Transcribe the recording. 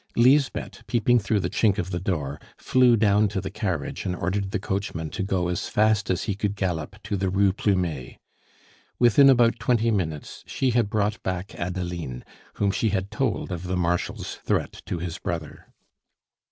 Lisbeth, peeping through the chink of the door, flew down to the carriage and ordered the coachman to go as fast as he could gallop to the Rue Plumet. Within about twenty minutes she had brought back Adeline, whom she had told of the Marshal's threat to his brother.